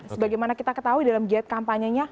sebagai mana kita ketahui dalam giat kampanyenya